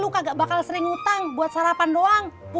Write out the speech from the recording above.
kamu gak akan sering ngutang buat sarapan saja pak